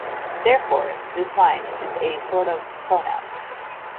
Therefore this sign is a sort of pronoun.